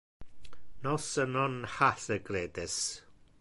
Nos non ha secretes.